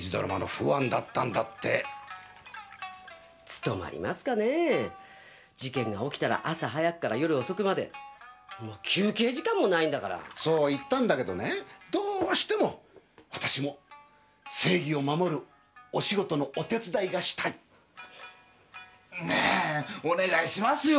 務まりますかねぇ事件が起きたら朝早くから夜遅くまで休憩時間もないんだからそう言ったんだけどねどうしても「私も正義を守るお仕事のお手伝いがしたい」ってねえ！お願いしますよ